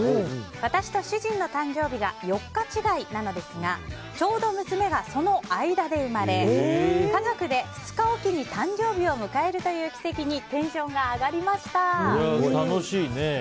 私と主人の誕生日が４日違いなのですがちょうど娘がその間で生まれ家族で２日おきに誕生日を迎えるという奇跡にそれは楽しいね。